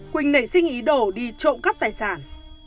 quỳnh nảy sinh ý đồ đi trộm cắp tài sản